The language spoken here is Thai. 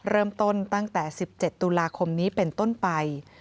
เริ่มต้นตั้งแต่๑๗ตุลาคมนี้เป็นต้นไป